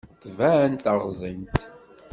Tban taɣẓint.